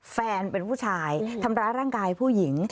แฟนเป็นผู้ชายทำร้ายร่างกายผู้หญิง